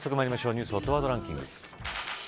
ニュースＨＯＴワードランキング。